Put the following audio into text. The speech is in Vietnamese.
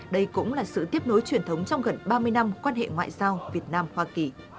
đây cũng là sự tiếp nối truyền thống trong gần ba mươi năm quan hệ ngoại giao việt nam hoa kỳ